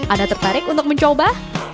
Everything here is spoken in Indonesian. anda tertarik untuk mencoba